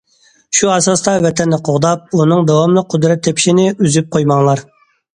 شۇ ئاساستا ۋەتەننى قوغداپ، ئۇنىڭ داۋاملىق قۇدرەت تېپىشىنى ئۈزۈپ قويماڭلار.